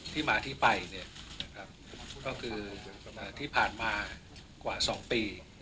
ที่มาที่ไปก็คือที่ผ่านมากว่า๒ปี